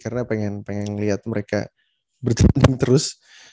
karena pengen liat mereka bertanding terus